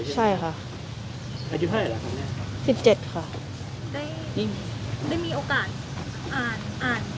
ใช่ค่ะอาจิภัยอะไรครับเนี้ยสิบเจ็ดค่ะได้ได้มีโอกาสอ่านอ่าน